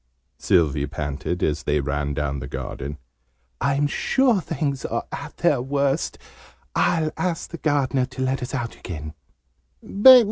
Sylvie panted, as they ran down the garden. "I'm sure things are at their worst! I'll ask the Gardener to let us out again."